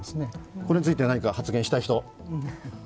これについては何か発言したい人？